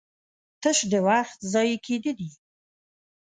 تش د وخت ضايع کېده دي